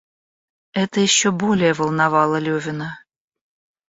Это еще более волновало Левина.